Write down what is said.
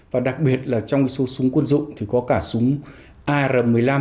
và đặc biệt là trong cái số súng quân dụng thì có cả súng ar một mươi năm